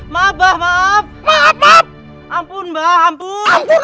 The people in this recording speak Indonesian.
mbak mbah ampun ampun ampun